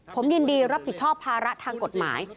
ผมยินดีรับผิดชอบภาระทางกฎหมาย